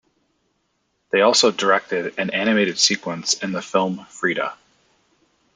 They also directed an animated sequence in the film Frida.